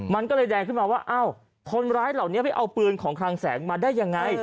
มันก็เลยแดงขึ้นมาว่าอ้าวคนร้ายเหล่านี้ไปเอาปืนของคลังแสงมาได้ยังไง